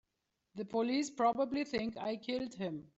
The police probably think I killed him.